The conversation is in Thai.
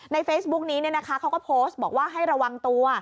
เฟซบุ๊กนี้เขาก็โพสต์บอกว่าให้ระวังตัว